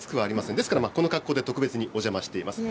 ですから、この格好で特別にお邪魔しています。